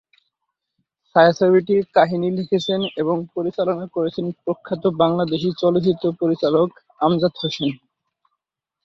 ছায়াছবিটির কাহিনী লিখেছেন এবং পরিচালনা করেছেন প্রখ্যাত বাংলাদেশী চলচ্চিত্র পরিচালক আমজাদ হোসেন।